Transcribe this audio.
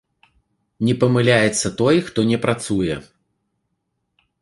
Не памыляецца той, хто не працуе.